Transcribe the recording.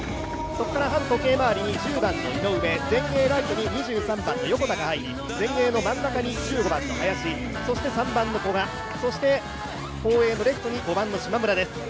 そこから反時計回りに１０番の井上前衛、ライトに２３番の横田が入り前衛の真ん中に１５番の林３番の古賀、後衛のレフトに５番の島村です。